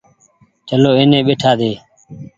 چلو ايني ٻيٺآ ۮي۔